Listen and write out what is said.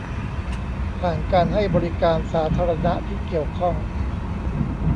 ผ่านการให้บริการสาธารณะที่เกี่ยวข้อง